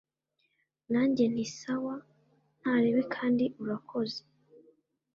nanjye nti sawa ntaribi kandi urakoze